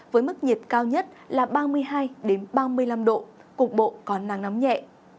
với mức nhiệt cao nhất là ba mươi hai ba mươi năm độ cục bộ có nắng nóng nhẹ